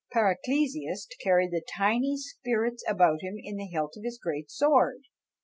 Paracelsus carried the tiny spirits about him in the hilt of his great sword!